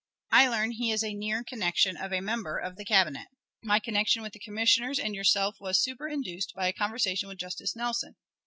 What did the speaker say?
I learn he is a near connection of a member of the Cabinet. My connection with the commissioners and yourself was superinduced by a conversation with Justice Nelson.